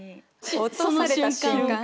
落とされた瞬間。